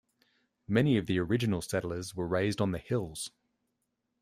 Many of the original settlers were raised on the "hills".